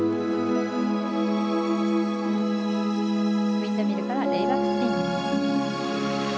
ウィンドミルからレイバックスピン。